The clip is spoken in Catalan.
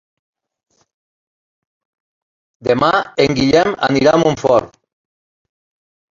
Demà en Guillem anirà a Montfort.